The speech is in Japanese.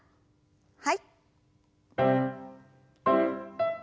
はい。